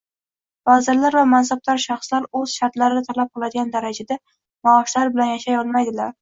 Vazirlar va mansabdor shaxslar o'z shartlari talab qiladigan darajada maoshlari bilan yashay olmaydilar